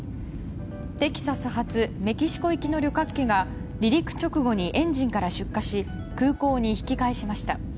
テキサス発メキシコ行きの旅客機が離陸直後にエンジンから出火し空港に引き返しました。